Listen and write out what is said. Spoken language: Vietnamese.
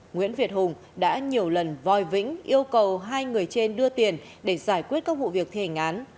nguyễn việt hùng đã nhiều lần voi vĩnh yêu cầu hai người trên đưa tiền để giải quyết các vụ việc thi hành án